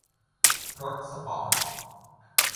รถสปอร์ต